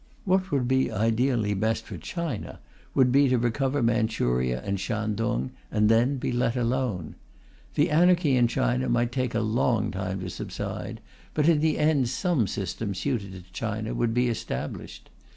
What would be ideally best for China would be to recover Manchuria and Shantung, and then be let alone. The anarchy in China might take a long time to subside, but in the end some system suited to China would be established.